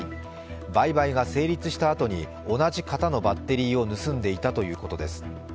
売買が成立した後に同じ型のバッテリーを盗んでいたということです。